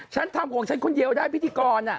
ฉันทำของฉันคนเดียวได้พิธีกร